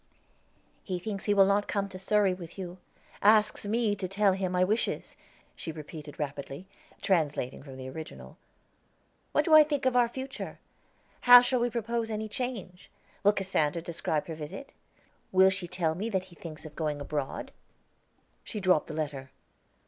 "He thinks he will not come to Surrey with you; asks me to tell him my wishes," she repeated rapidly, translating from the original. "What do I think of our future? How shall we propose any change? Will Cassandra describe her visit? Will she tell me that he thinks of going abroad?" She dropped the letter.